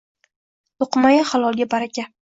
Luqmai halolga baraka